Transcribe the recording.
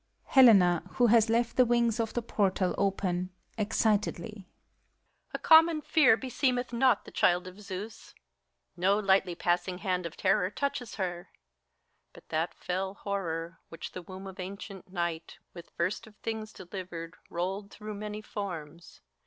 HELENA (who hcLS left the wings of the portal open, excitedly), A common fear beseemeth not the child of Zieus ; No lightly passing hand of terror touches her ; But that fell Horror, which the womb of ancient Night With first of things delivered, rolled through many forms.